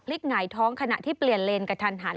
หงายท้องขณะที่เปลี่ยนเลนกระทันหัน